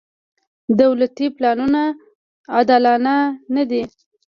دولتي پلانونه عادلانه نه دي.